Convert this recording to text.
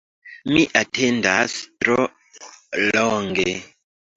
Mi atendas tro longe